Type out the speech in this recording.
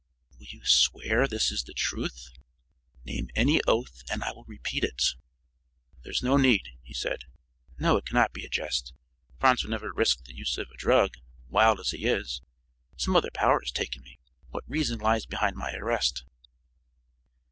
"Will you swear this is the truth?" "Name any oath and I will repeat it." "There's no need," he said. "No, it cannot be a jest. Franz would never risk the use of a drug, wild as he is. Some other power has taken me. What reason lies behind my arrest?"